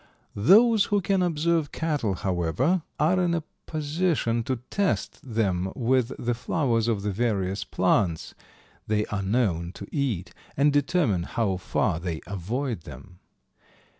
Those who can observe cattle, however, are in a position to test them with the flowers of the various plants they are known to eat, and determine how far they avoid them.